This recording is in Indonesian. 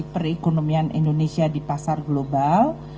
perekonomian indonesia di pasar global